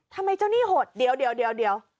ทำไมเจ้านี่โหดเดี๋ยว